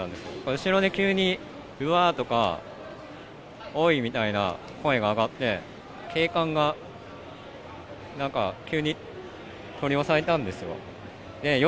後ろで急に、うわーとか、おいみたいな声が上がって、警官がなんか、急に取り押さえたんですよ。